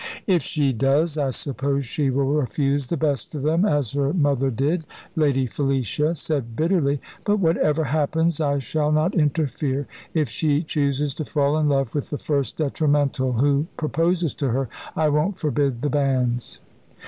"If she does, I suppose she will refuse the best of them, as her mother did," Lady Felicia said bitterly; "but whatever happens I shall not interfere. If she chooses to fall in love with the first detrimental who proposes to her, I won't forbid the banns."